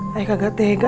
kayak kagak tega